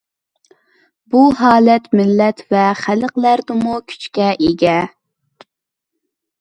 بۇ ھالەت مىللەت ۋە خەلقلەردىمۇ كۈچكە ئىگە.